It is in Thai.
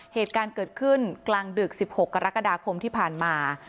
เหตุการณ์เกิดขึ้นกลางดึก๑๖กรกฎาคมที่ผ่านมา